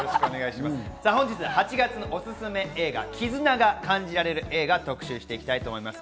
本日８月のおすすめ映画、絆が感じられる映画を特集します。